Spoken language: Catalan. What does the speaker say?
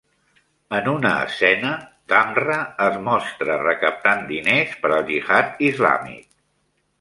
En una escena, Damrah es mostra recaptant diners per al gihad islàmic.